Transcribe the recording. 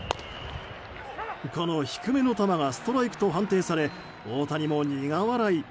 この低めの球がストライクと判定され大谷も苦笑い。